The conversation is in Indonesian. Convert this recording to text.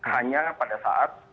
hanya pada saat